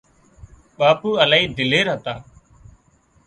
ٻاپو الاهي دلير هتا